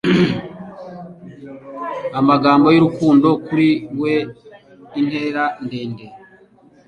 Amagambo y'urukundo kuri we intera ndende